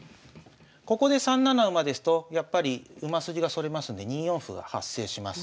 ここで３七馬ですとやっぱり馬筋がそれますんで２四歩が発生します。